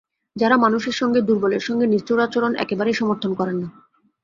যাঁরা মানুষের সঙ্গে, দুর্বলের সঙ্গে নিষ্ঠুর আচরণ একেবারেই সমর্থন করেন না।